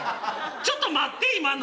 ちょっと待って今の。